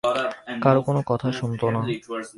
কারো কোনো কথা শুনত না।